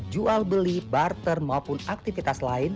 jual beli barter maupun aktivitas lain